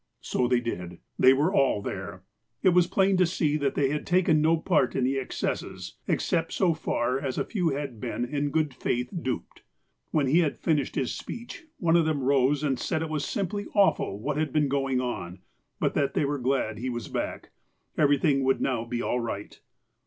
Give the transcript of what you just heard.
So they did. They were all there. It was plain to see that they had taken no part in the excesses, except so far as a few had been, in good faith, duped. When he had finished his speech, one of them rose and said it was simply awful what had been going on, but that they were glad he was back. Everything would now be all right.